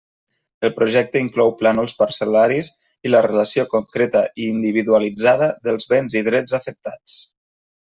El projecte inclou plànols parcel·laris i la relació concreta i individualitzada dels béns i drets afectats.